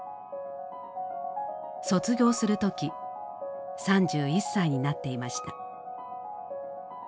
卒業する時３１歳になっていました。